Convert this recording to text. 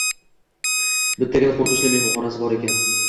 Bittagina qo‘rqinchli mehmonxonasi bor ekan.